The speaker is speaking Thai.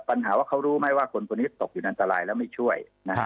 ปัญหาว่าเขารู้ไหมว่าคนคนนี้ตกอยู่อันตรายแล้วไม่ช่วย